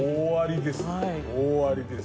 大ありです。